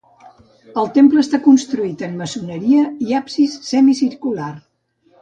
El temple està construït en maçoneria i absis semicircular.